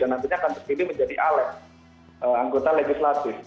nantinya akan menjadi alat anggota legislatif